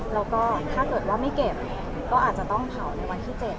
แล้วก็ถ้าเกิดว่าไม่เก็บก็อาจจะต้องเผาในวันที่๗